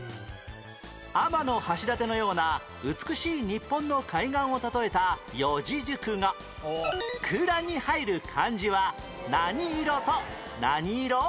天橋立のような美しい日本の海岸を例えた四字熟語空欄に入る漢字は何色と何色？